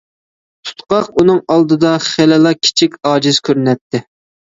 تۇتقاق ئۇنىڭ ئالدىدا خېلىلا كىچىك، ئاجىز كۆرۈنەتتى.